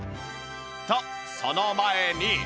とその前に